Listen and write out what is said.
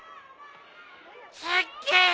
すっげー！